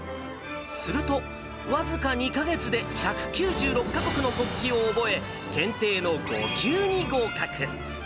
すると、僅か２か月で１９６か国の国旗を覚え、検定の５級に合格。